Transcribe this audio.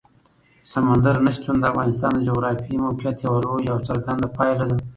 سمندر نه شتون د افغانستان د جغرافیایي موقیعت یوه لویه او څرګنده پایله ده.